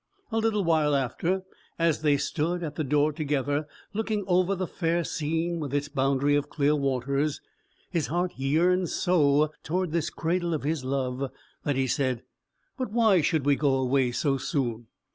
A little while after, as they stood at the door together, looking over the fair scene with its boundary of clear waters, his heart yearned so toward this cradle of his love that he said: "But why should we go away so soon?